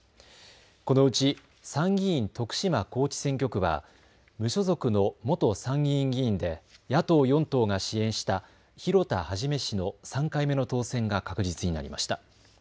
このうち参議院徳島高知選挙区は無所属の元参議院議員で野党４党が支援した広田一氏の３回目の当選が確実になりました。